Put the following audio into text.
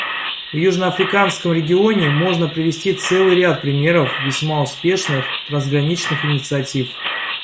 В южноафриканском регионе можно привести целый ряд примеров весьма успешных трансграничных инициатив.